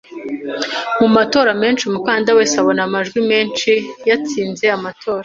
Mu matora menshi, umukandida wese abona amajwi menshi, yatsinze amatora